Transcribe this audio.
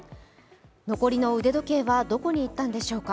残りの腕時計はどこに行ったのでしょうか。